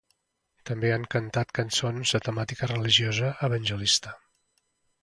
També han cantat cançons de temàtica religiosa evangelista.